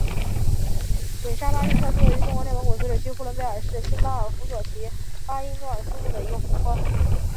准沙巴日特是位于中国内蒙古自治区呼伦贝尔市新巴尔虎左旗巴音诺尔苏木的一个湖泊。